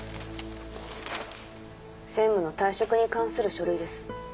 専務の退職に関する書類です。